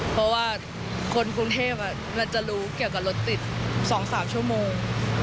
เพราะว่าคนกรุงเทพจะรู้เกี่ยวกับรถติด๒๓ชั่วโมง